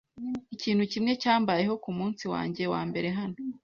Ikintu kimwe cyambayeho kumunsi wanjye wambere hano.